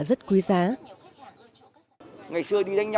rất quý giá